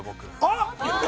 あっ！